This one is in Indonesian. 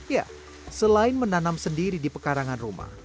ya selain menanam sendiri di pekarangan rumah